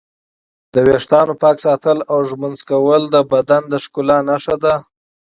د ویښتانو پاک ساتل او ږمنځول د بدن د ښکلا نښه ده.